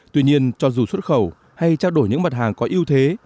tuy nhiên cho dù xuất khẩu hay trao đổi những mặt hàng có ưu thế